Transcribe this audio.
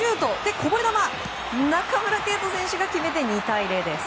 こぼれ球、中村敬斗選手が決めて２対０です。